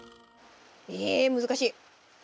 え難しい。